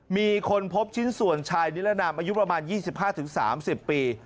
มีคนพบชิ้นส่วนชายนิรนามอายุประมาณ๒๕๓๐ปี